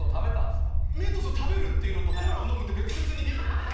メントスを食べるっていうのとコーラを飲むって別々に。